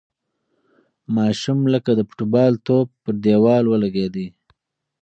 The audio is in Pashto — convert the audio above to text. ماشوم لکه د فوټبال توپ پر دېوال ولگېد.